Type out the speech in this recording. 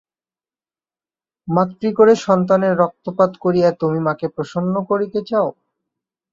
মাতৃক্রোড়ে সন্তানের রক্তপাত করিয়া তুমি মাকে প্রসন্ন করিতে চাও!